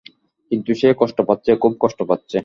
কিন্তু সে কষ্ট পাচ্ছে, খুব কষ্ট পাচ্ছে।